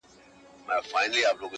o ډاکټر هغه دئ چي پر ورغلي وي٫